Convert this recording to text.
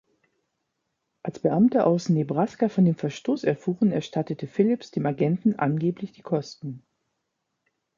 Als Beamte aus Nebraska von dem Verstoß erfuhren, erstattete Phillips dem Agenten angeblich die Kosten.